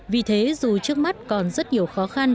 vì thế dù trước mắt còn rất nhiều khó khăn